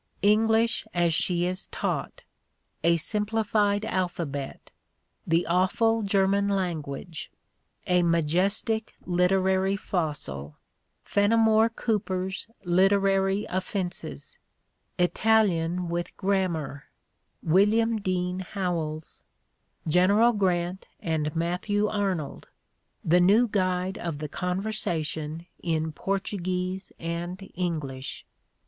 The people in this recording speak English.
— "English as She Is Taught," "A Simplified Alphabet," "The Awful German Lan guage," "A Majestic Literary Fossil," "Fenimore Cooper's Literary Offenses," "Italian with Grammar," "William Dean Howells," "General Grant and Mat thew Arnold, "" The New Guide of the Conversation in Portuguese and English."